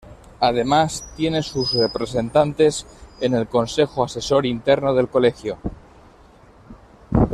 Además tiene sus representantes en el Consejo Asesor Interno del Colegio.